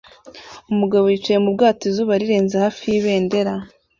Umugabo yicaye mu bwato izuba rirenze hafi y'ibendera